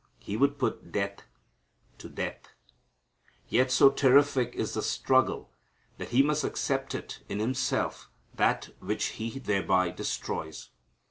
He would put death to death. Yet so terrific is the struggle that He must accept in Himself that which He thereby destroys.